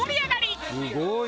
すごい！